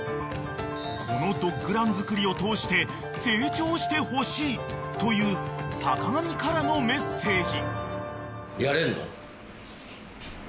［このドッグラン作りを通して成長してほしいという坂上からのメッセージ］